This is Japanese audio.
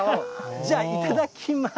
じゃあ、いただきます。